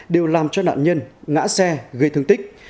đều làm cho nạn nhân ngã xe gây thương tích